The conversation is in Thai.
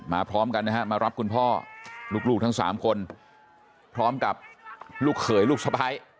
มาพร้อมกันนะครับมารับคุณพ่อลูกทั้งสามคนพร้อมกับลูกเขยลูกสะพ้ายและหลาน